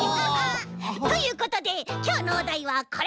ということできょうのおだいはこれ！